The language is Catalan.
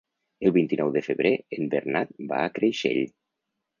El vint-i-nou de febrer en Bernat va a Creixell.